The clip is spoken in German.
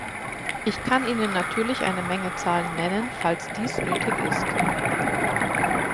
Ich kann Ihnen natürlich eine Menge Zahlen nennen, falls dies nötig ist.